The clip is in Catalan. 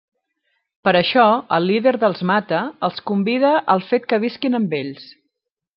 Per això, el líder dels Mata els convida al fet que visquin amb ells.